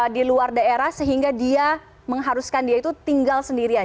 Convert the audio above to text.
di luar daerah sehingga dia mengharuskan dia itu tinggal sendirian